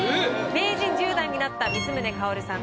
名人１０段になった光宗薫さん